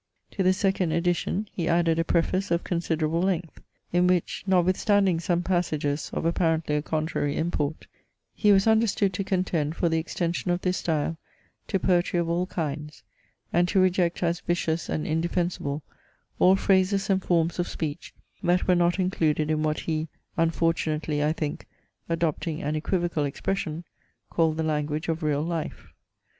To the second edition he added a preface of considerable length; in which, notwithstanding some passages of apparently a contrary import, he was understood to contend for the extension of this style to poetry of all kinds, and to reject as vicious and indefensible all phrases and forms of speech that were not included in what he (unfortunately, I think, adopting an equivocal expression) called the language of real life.